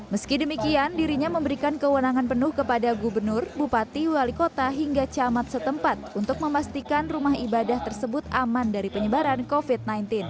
meski demikian dirinya memberikan kewenangan penuh kepada gubernur bupati wali kota hingga camat setempat untuk memastikan rumah ibadah tersebut aman dari penyebaran covid sembilan belas